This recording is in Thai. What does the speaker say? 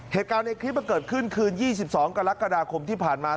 เหตุการณ์ในคลิปมันเกิดขึ้นคืน๒๒กรกฎาคมที่ผ่านมา